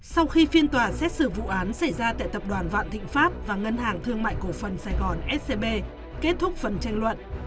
sau khi phiên tòa xét xử vụ án xảy ra tại tập đoàn vạn thịnh pháp và ngân hàng thương mại cổ phần sài gòn scb kết thúc phần tranh luận